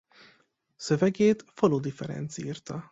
Szövegét Faludi Ferenc írta.